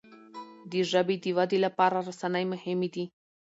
د ژبي د ودې لپاره رسنی مهمي دي.